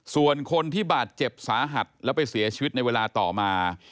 ส่วนคนที่บาดเจ็บสาหัสแล้วไปเสียชีวิตในเวลาต่อมา